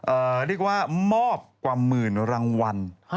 เรียกว่ามอบกว่าหมื่นรางวัล